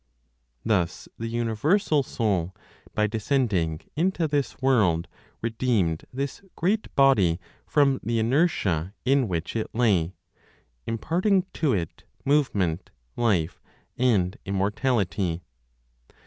Thus the universal Soul, by descending into this world redeemed this great body from the inertia in which it lay, imparting to it movement, life and immortality.